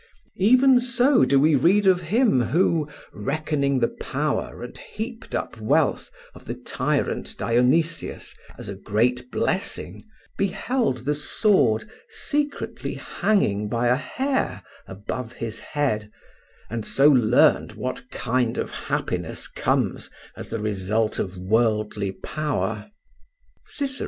Even so do we read of him who, reckoning the power and heaped up wealth of the tyrant Dionysius as a great blessing, beheld the sword secretly hanging by a hair above his head, and so learned what kind of happiness comes as the result of worldly power (Cicer.